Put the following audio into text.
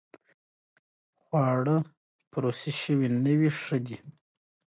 خواړه پروسس شوي نه وي، ښه دي.